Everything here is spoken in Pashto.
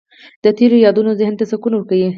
د تېرو یادونه ذهن ته سکون ورکوي.